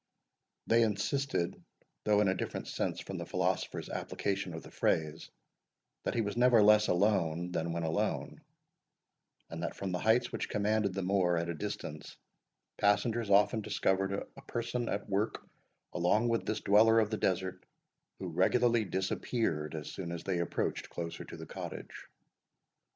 They insisted, though in a different sense from the philosopher's application of the phrase, that he was never less alone than when alone; and that from the heights which commanded the moor at a distance, passengers often discovered a person at work along with this dweller of the desert, who regularly disappeared as soon as they approached closer to the cottage.